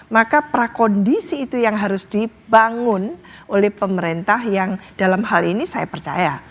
maka prakondisi itu yang harus dibangun oleh pemerintah yang dalam hal ini saya percaya